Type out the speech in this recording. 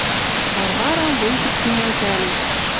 Варварам вуй гӹц ниӓлтӓлеш, —